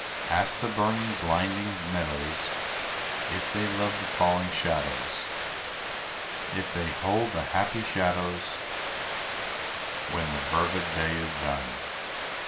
Ask the burning, blinded meadows If they love the falling shadows, If they hold the happy shadows When the fervid day is done.